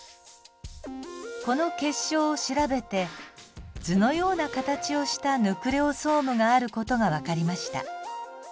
この結晶を調べて図のような形をしたヌクレオソームがある事が分かりました。